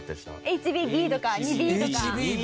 ＨＢＢとか２Ｂとか。